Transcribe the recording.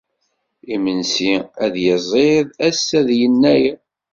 Imensi ad yiẓid ass-a d yennayer.